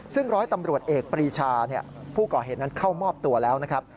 ซึ่งร้อยตำรวจเอกปรีชาผู้ก่อเหตุนั้นเข้ามอบตัวแล้วนะครับ